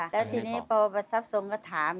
แล้วทีนี้พอประทับทรงก็ถาม